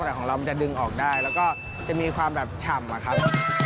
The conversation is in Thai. แต่ของเรามันจะดึงออกได้แล้วก็จะมีความแบบฉ่ำอะครับ